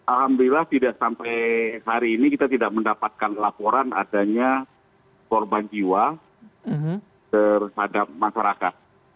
alhamdulillah tidak sampai hari ini kita tidak mendapatkan laporan adanya korban jiwa terhadap masyarakat